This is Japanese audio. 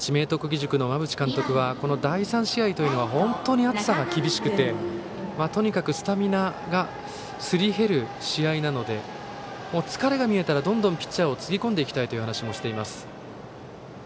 義塾の馬淵監督は第３試合というのは本当に暑さが厳しくてとにかくスタミナがすり減る試合なので疲れが見えたらどんどんピッチャーをつぎ込んでいきたいという話もしています。